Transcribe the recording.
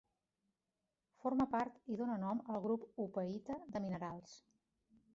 Forma part i dóna nom al grup hopeïta de minerals.